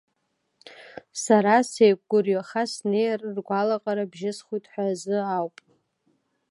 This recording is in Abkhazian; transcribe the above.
Сара сеиқәгәырҩаха снеир ргәалаҟара бжьысхуеит ҳәа азы ауп…